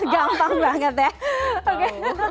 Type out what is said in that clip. gampang banget ya